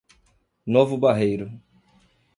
Novo Barreiro